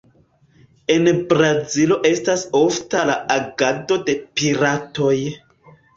En Brazilo estas ofta la agado de piratoj.